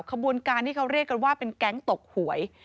ขบวนการที่เขาเรียกกันว่าเป็นแก๊งตกหวย